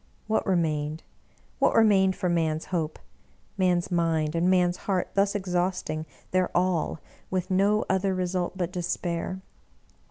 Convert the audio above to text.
What remained — ^what remained for man's hope? — man's mind and man's heart thus exhausting. their all with no other result but despair!